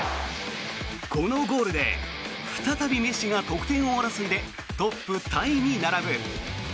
このゴールで再びメッシが得点王争いでトップタイに並ぶ。